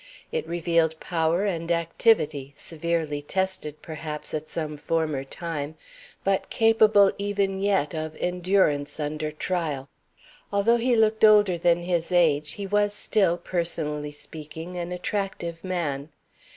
It revealed power and activity, severely tested perhaps at some former time, but capable even yet of endurance under trial. Although he looked older than his age, he was still, personally speaking, an attractive man.